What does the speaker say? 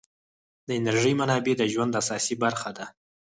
د انرژۍ منابع د ژوند اساسي برخه ده.